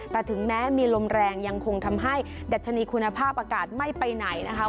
แต่ถึงแม้มีลมแรงยังคงทำให้ดัชนีคุณภาพอากาศไม่ไปไหนนะคะ